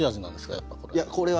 やっぱこれは。